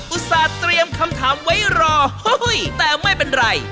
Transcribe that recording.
ต่าเตรียมคำถามไว้รอแต่ไม่เป็นไร